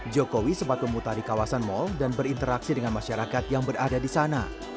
jokowi sempat memutari kawasan mal dan berinteraksi dengan masyarakat yang berada di sana